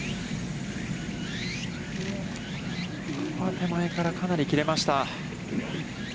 手前から、かなり切れました。